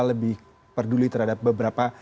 lebih peduli terhadap beberapa